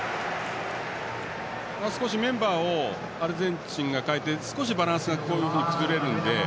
メンバーをアルゼンチンが代えて少しバランスが崩れるので。